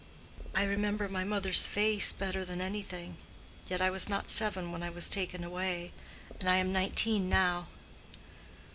"I remember my mother's face better than anything; yet I was not seven when I was taken away, and I am nineteen now."